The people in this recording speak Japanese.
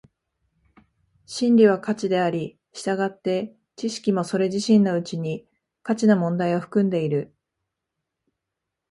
真理は価値であり、従って知識もそれ自身のうちに価値の問題を含んでいる。